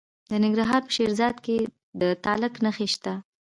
د ننګرهار په شیرزاد کې د تالک نښې شته.